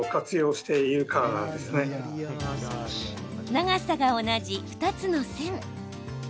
長さが同じ、２つの線。